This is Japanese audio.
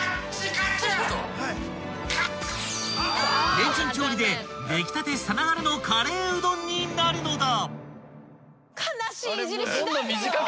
［レンチン調理で出来たてさながらのカレーうどんになるのだ！］